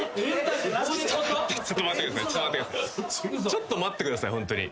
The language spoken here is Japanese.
ちょっと待ってくださいホントに。